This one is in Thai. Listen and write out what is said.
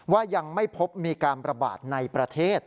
ว่ายังไม่พบมีการประบาดในประเทศ